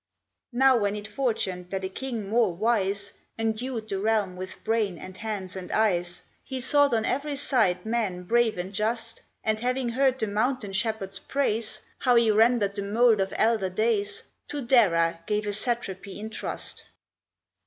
Now, when it fortuned that a king more wise Endued the realm with brain and hands and eyes, He sought on every side men brave and just, And having heard the mountain shepherd's praise, How he rendered the mould of elder days, To Dara gave a satrapy in trust.